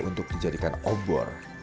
untuk dijadikan obor